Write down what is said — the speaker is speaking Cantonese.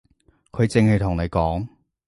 佢淨係同你講